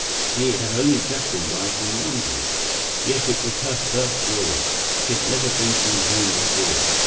She had only just arrived in London. Yes, it was her first voyage—she had never been from home before.